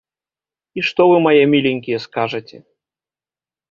І што вы, мае міленькія, скажаце?